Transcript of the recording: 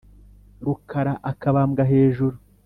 rukara akabambwa hejuru